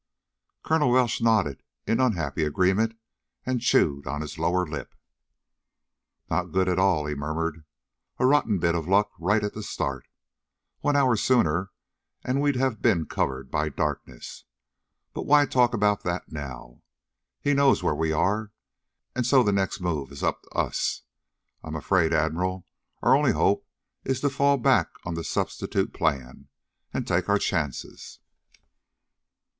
Colonel Welsh nodded in unhappy agreement and chewed on his lower lip. "Not good at all," he murmured. "A rotten bit of luck right at the start. One hour sooner and we'd have been covered by darkness. But why talk about that now? He knows where we are, and so the next move is up to us. I'm afraid, Admiral, our only hope is to fall back on the substitute plan, and take our chances."